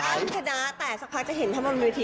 อ้ำค่ะนะแต่สักพักจะเห็นถ้ามาบนวิที